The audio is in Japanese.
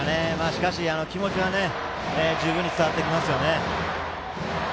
しかし、気持ちは十分に伝わってきますね。